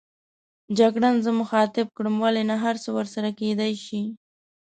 جګړن زه مخاطب کړم: ولې نه، هرڅه ورسره کېدای شي.